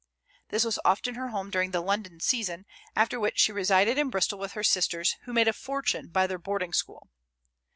This was often her home during the London season, after which she resided in Bristol with her sisters, who made a fortune by their boarding school.